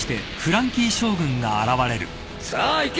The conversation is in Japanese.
さあ行け！